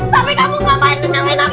tapi kamu ngapain dengan kita